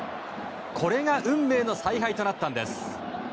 これが運命の采配となったのです。